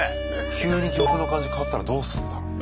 急に曲の感じ変わったらどうすんだろう？